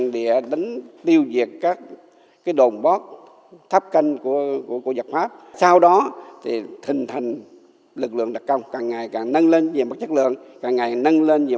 đánh bằng bê ta